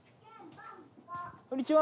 こんにちは。